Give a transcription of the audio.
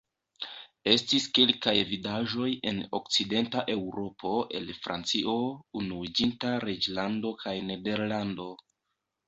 Estis kelkaj vidaĵoj en Okcidenta Eŭropo el Francio, Unuiĝinta Reĝlando kaj Nederlando.